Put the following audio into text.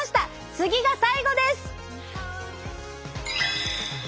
次が最後です！